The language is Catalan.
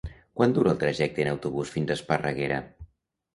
Quant dura el trajecte en autobús fins a Esparreguera?